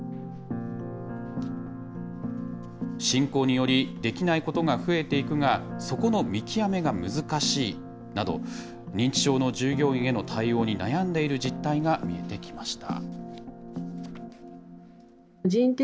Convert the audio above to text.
進行によりできないことが増えていくが、そこの見極めが難しいなど、認知症の従業員への対応に悩んでいる実態が見えてきました。